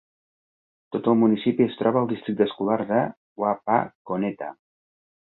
Tot el municipi es troba al districte escolar de Wapakoneta.